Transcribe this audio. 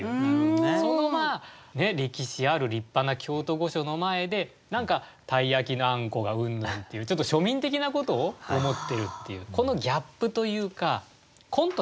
その歴史ある立派な京都御所の前で何か鯛焼のあんこがうんぬんっていうちょっと庶民的なことを思ってるっていうこのギャップというかコントラストですよね。